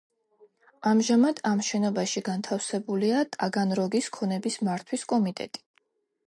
ამჟამად ამ შენობაში განთავსებულია ტაგანროგის ქონების მართვის კომიტეტი.